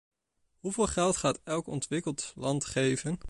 Hoeveel geld gaat elk ontwikkeld land geven?